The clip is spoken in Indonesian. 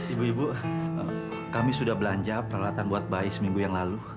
ibu ibu kami sudah belanja peralatan buat bayi seminggu yang lalu